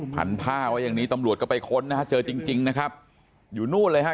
พันผ้าไว้อย่างนี้ตำรวจก็ไปค้นนะฮะเจอจริงจริงนะครับอยู่นู่นเลยฮะ